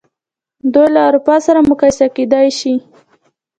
دوی له اروپا سره مقایسه کېدلای شي.